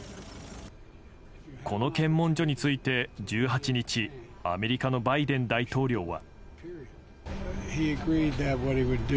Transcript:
この検問所について、１８日アメリカのバイデン大統領は。